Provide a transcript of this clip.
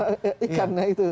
bukan agak ikannya itu